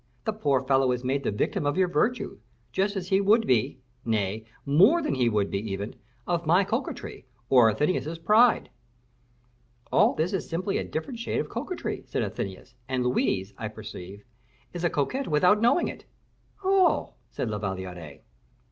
The poor fellow is made the victim of your virtue, just as he would be nay, more than he would be, even of my coquetry, or Athenais's pride." "All this is simply a different shade of coquetry," said Athenais; "and Louise, I perceive, is a coquette without knowing it." "Oh!" said La Valliere.